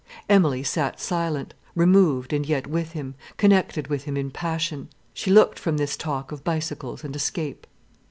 Emilie sat silent, removed and yet with him, connected with him in passion. She looked from this talk of bicycles and escape.